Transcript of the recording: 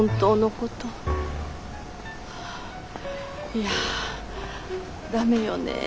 いや駄目よね